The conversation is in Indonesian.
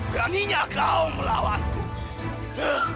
beraninya kau melawanku